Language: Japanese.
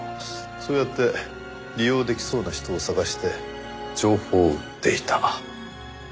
そうやって利用できそうな人を探して情報を売っていた。